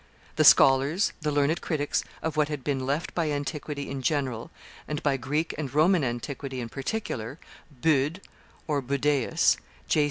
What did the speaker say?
The scholars, the learned critics of what had been left by antiquity in general and by Greek and Roman antiquity in particular, Bude (Budaeus), J.